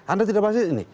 anda tidak berhasil ini